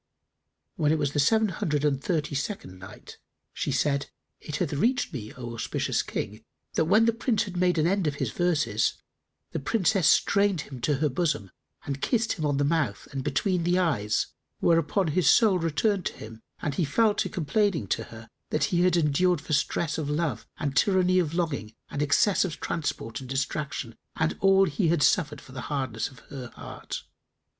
When it was the Seven Hundred and Thirty second Night, She said, It hath reached me, O auspicious King, that when the Prince had made an end of his verses, the Princess strained him to her bosom and kissed him on the mouth and between the eyes; whereupon his soul returned to him and he fell to complaining to her of that he had endured for stress of love and tyranny of longing and excess of transport and distraction and all he had suffered for the hardness of her heart.